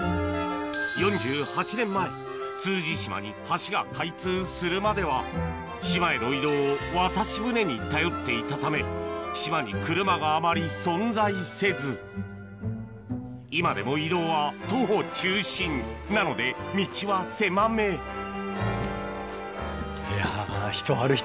４８年前島への移動を渡し船に頼っていたため島に車があまり存在せず今でも移動は徒歩中心なので道は狭めいや。